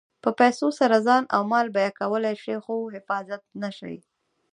په پیسو سره ځان او مال بیمه کولی شې خو حفاظت نه شې.